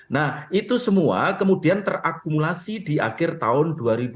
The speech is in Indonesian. nah itu semua kemudian terakumulasi di akhir tahun dua ribu dua puluh